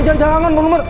jangan bang norman